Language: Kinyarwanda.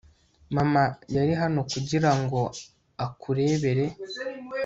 mama yari hano kugirango akurebere